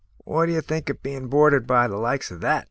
"What d'ye think of bein' boarded by the likes of that?"